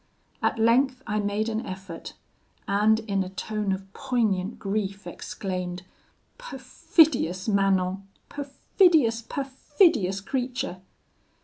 At length I made an effort, and in a tone of poignant grief exclaimed: 'Perfidious Manon! perfidious, perfidious creature!'